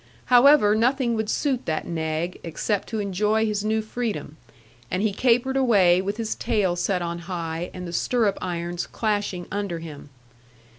However, nothing would suit that nag, except to enjoy his new freedom; and he capered away with his tail set on high, and the stirrup irons clashing under him.